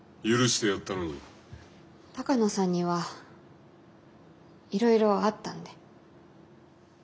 鷹野さんにはいろいろあったんで。